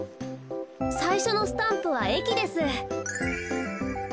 さいしょのスタンプはえきです。